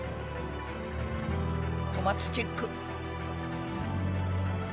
小松チェック。